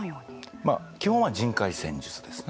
基本は人海戦術ですね。